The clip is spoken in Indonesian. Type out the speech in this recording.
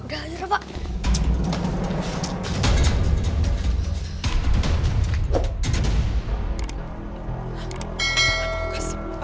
tuh ibu ranti